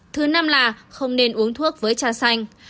thứ năm là không nên uống thuốc với cha xanh